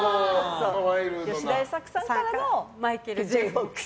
吉田栄作さんからのマイケル・Ｊ・フォックス。